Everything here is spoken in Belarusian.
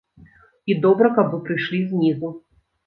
І добра, каб вы прыйшлі знізу.